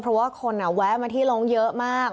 เพราะว่าคนแวะมาที่ลงเยอะมาก